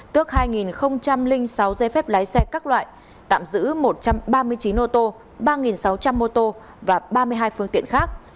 một trăm linh sáu dây phép lái xe các loại tạm giữ một trăm ba mươi chín ô tô ba sáu trăm linh ô tô và ba mươi hai phương tiện khác